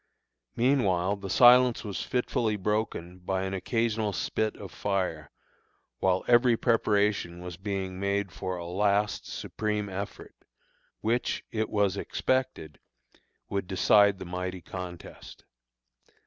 Meanwhile the silence was fitfully broken by an occasional spit of fire, while every preparation was being made for a last, supreme effort, which, it was expected, would decide the mighty contest.